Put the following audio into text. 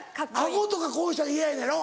顎とかこうしたら嫌やのやろ？